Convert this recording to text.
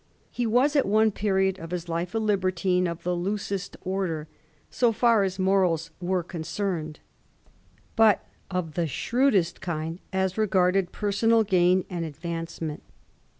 He was at one period of his life a Hbertine of the loosest order, so fiEU* as morals were concerned, but of the shrewdest kind as regarded personal gain and advancement.